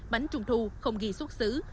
bánh trung thu không ghi xuất xứ